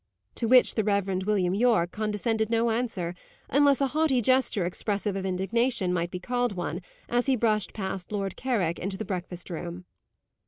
To which the Rev. William Yorke condescended no answer, unless a haughty gesture expressive of indignation might be called one, as he brushed past Lord Carrick into the breakfast room.